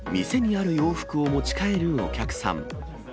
店にある洋服を持ち帰るお客さん。